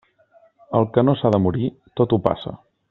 El que no s'ha de morir, tot ho passa.